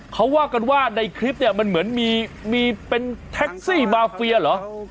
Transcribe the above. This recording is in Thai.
เขาว่ากันว่าในคลิปเนี่ยมันเหมือนมีเป็นแท็กซี่มาเฟียเหรอ